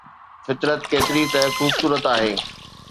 فطرت ڪيتري نه خوبصورت آهي